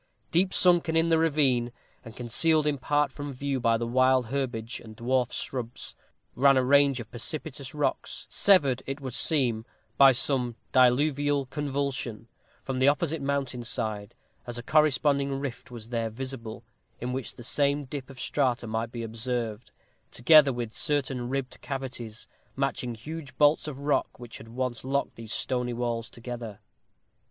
Deep sunken in the ravine, and concealed in part from view by the wild herbage and dwarf shrubs, ran a range of precipitous rocks, severed, it would seem, by some diluvial convulsion, from the opposite mountain side, as a corresponding rift was there visible, in which the same dip of strata might be observed, together with certain ribbed cavities, matching huge bolts of rock which had once locked these stony walls together.